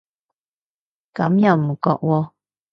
咁又唔覺喎